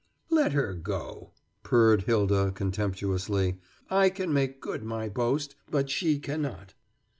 "Let her go," purred Hylda contemptuously. "I can make good my boast, but she cannot."